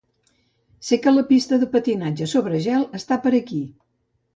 Sé que la pista de patinatge sobre gel està per aquí.